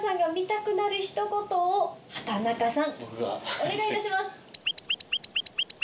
お願いいたします。